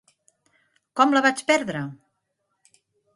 Com la vaig perdre?